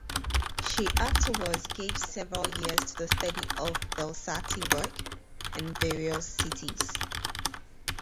She afterwards gave several years to the study of Delsarte work in various cities.